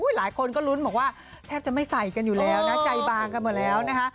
หลายคนก็ลุ้นบอกว่าแทบจะไม่ใส่กันอยู่แล้วนะใจบางกันหมดแล้วนะคะ